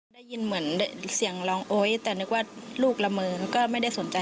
ได้ยินเหมือนเสียงร้องโอ๊ยแต่นึกว่าลูกละเมอก็ไม่ได้สนใจ